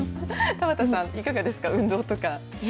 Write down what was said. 田畑さん、いかがですか、運動とか。